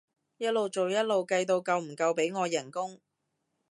一路做一路計到夠唔夠俾我人工